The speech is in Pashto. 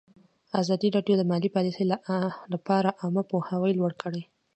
ازادي راډیو د مالي پالیسي لپاره عامه پوهاوي لوړ کړی.